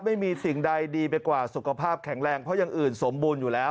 ไม่มีสิ่งใดดีไปกว่าสุขภาพแข็งแรงเพราะอย่างอื่นสมบูรณ์อยู่แล้ว